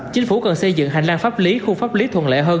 chính phủ cần xây dựng hành lang pháp lý khu pháp lý thuần lệ hơn